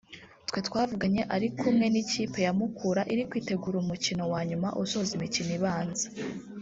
we twavuganye ari kumwe n’ikipe ya Mukura iri kwitegura umukino wa nyuma usoza imikino ibanza